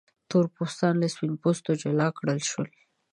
تور پوستان له سپین پوستو جلا کړل شول.